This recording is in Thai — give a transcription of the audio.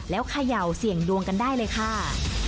แล้วเขย่าเสี่ยงดวงกันได้เลยค่ะ